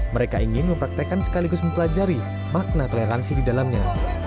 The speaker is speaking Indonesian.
mereka ingin mempraktekan sekaligus mempelajari makna toleransi di dalamnya